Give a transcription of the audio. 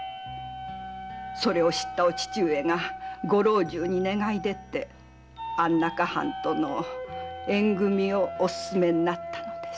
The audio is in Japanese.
それを知ったお父上がご老中に願い出て安中藩との縁組みをすすめたのです。